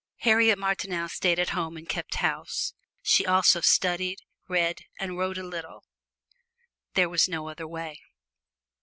Harriet Martineau stayed at home and kept house. She also studied, read and wrote a little there was no other way!